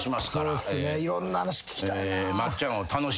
いろんな話聞きたいな。